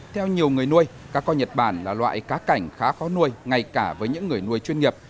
theo nhiều người nuôi cá coi nhật bản là loại cá cảnh khá khó nuôi ngay cả với những người nuôi chuyên nghiệp